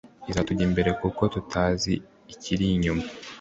Izatujya imbere kuko tutazi icyirinyuma